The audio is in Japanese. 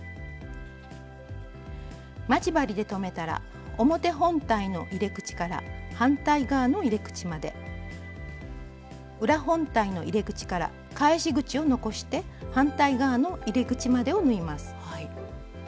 待ち針で留めたら表本体の入れ口から反対側の入れ口まで裏本体の入れ口から返し口を残して反対側の入れ口までを縫います。